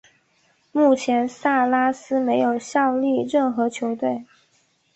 目前萨拉斯没有效力任何球队。